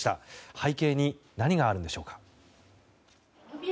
背景に、何があるんでしょうか。